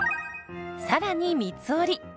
さらに三つ折り。